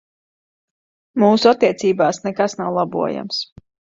Mūsu attiecībās nekas nav labojams.